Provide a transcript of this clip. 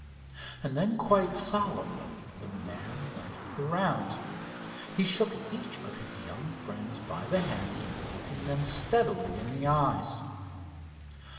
And then quite solemnly the man went the rounds. He shook each of his young friends by the hand, looking them steadily in the eyes.